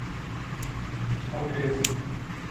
انگریزی